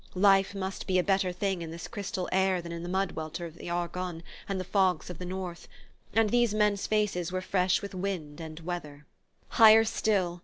Life must be a better thing in this crystal air than in the mud welter of the Argonne and the fogs of the North; and these men's faces were fresh with wind and weather. Higher still